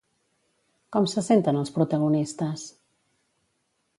Com se senten els protagonistes?